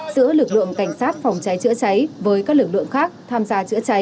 giữa lực lượng cảnh sát phòng cháy chữa cháy với các lực lượng khác tham gia chữa cháy